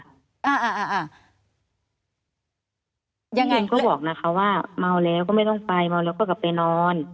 ยังไงก็บอกนะคะว่าเมาแล้วก็ไม่ต้องไปเมาแล้วก็กลับไปนอน